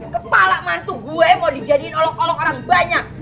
kepala mantu gue mau dijadiin olok olok orang banyak